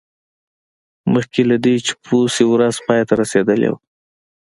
مخکې له دې چې پوه شي ورځ پای ته رسیدلې وه